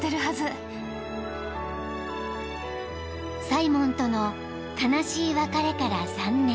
［サイモンとの悲しい別れから３年］